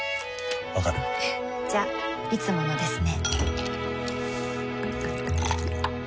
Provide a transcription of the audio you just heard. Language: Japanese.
わかる？じゃいつものですね